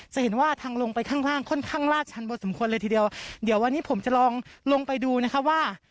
จะเห็นว่าทางลงไปข้างล่างค่อนข้างลาดชันพอสมควรเลยทีเดียวเดี๋ยววันนี้ผมจะลองลงไปดูนะคะว่า